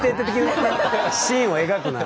シーンを描くなあ。